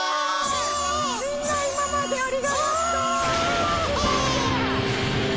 みんな今までありが納豆！